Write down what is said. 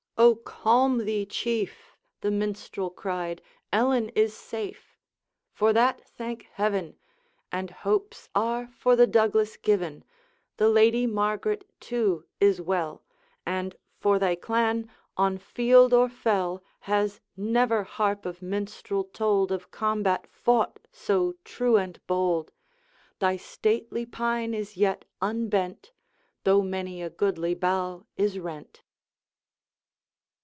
'O, calm thee, Chief!' the Minstrel cried, 'Ellen is safe!' 'For that thank Heaven!' 'And hopes are for the Douglas given; The Lady Margaret, too, is well; And, for thy clan, on field or fell, Has never harp of minstrel told Of combat fought so true and bold. Thy stately Pine is yet unbent, Though many a goodly bough is rent.'